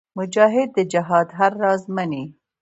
مجاهد د جهاد هر راز منې.